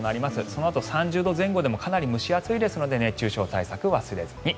そのあと３０度前後でもかなり蒸し暑いですので熱中症対策忘れずに。